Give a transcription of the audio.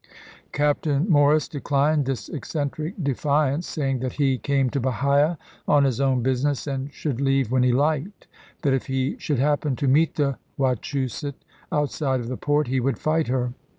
Captain Morris declined this eccentric defiance, saying that he came to Bahia on his own business, and should leave when he liked ; that if he should happen to meet the Wachusett outside of the port he would fight her.